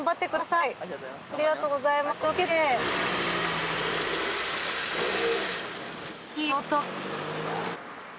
いい音。